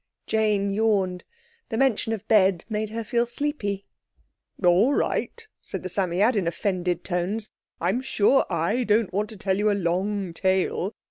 Jane yawned; the mention of bed made her feel sleepy. "All right," said the Psammead, in offended tones. "I'm sure I don't want to tell you a long tale.